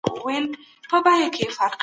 کوم عادتونه د ارام او ژور خوب لامل کېږي؟